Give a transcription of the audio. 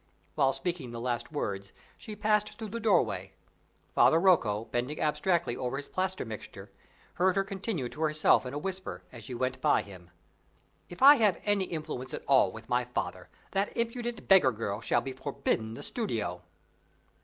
While speaking the last words, she passed through the doorway. Father Rocco, bending abstractedly over his plaster mixture, heard her continue to herself in a whisper, as she went by him, "If I have any influence at all with my father, that impudent beggar girl shall be forbidden the studio."